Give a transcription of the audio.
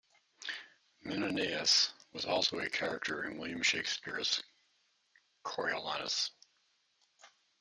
Menenius was also a character in William Shakespeare's "Coriolanus".